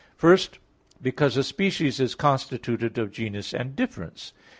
First, because a species is constituted of genus and difference.